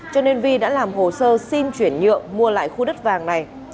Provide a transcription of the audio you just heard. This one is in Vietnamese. cho nên vi đã làm hồ sơ xin chuyển nhượng mua lại khu đất vàng này